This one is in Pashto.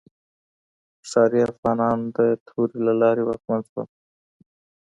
ښاري افغانان د تورې له لارې واکمن شول.